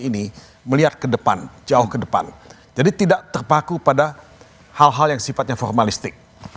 ini melihat kedepan jauh kedepan jadi tidak terpaku pada hal hal yang sifatnya formalistik